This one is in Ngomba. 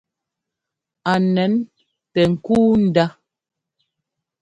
A nɛn tɛ ŋ́kúu ndá.